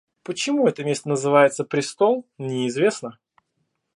Почему это место называется престол, неизвестно.